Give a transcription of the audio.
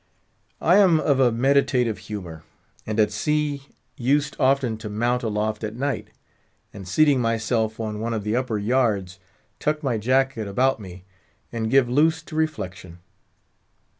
I am of a meditative humour, and at sea used often to mount aloft at night, and seating myself on one of the upper yards, tuck my jacket about me and give loose to reflection.